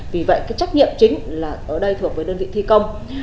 vì vậy cái trách nhiệm chính là ở đây thuộc với đơn vị thi công